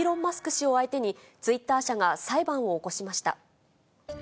氏を相手に、ツイッター社が裁判を起こしました。